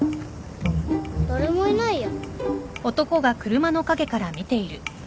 誰もいないや。